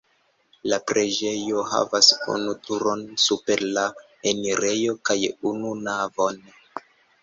La preĝejo havas unu turon super la enirejo kaj unu navon.